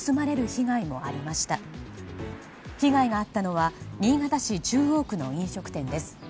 被害があったのは新潟市中央区の飲食店です。